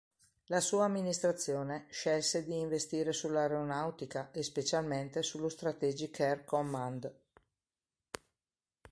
La sua amministrazione scelse di investire sull'aeronautica, e specialmente sullo Strategic Air Command.